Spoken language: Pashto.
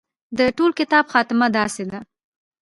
د ټول کتاب خاتمه داسې ده.